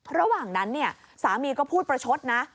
ระหว่างนั้นเนี่ยสามีก็พูดประชดนะ